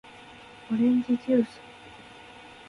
おれんじじゅーす